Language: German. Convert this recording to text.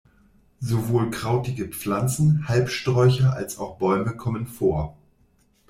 Sowohl krautige Pflanzen, Halbsträucher als auch Bäume kommen vor.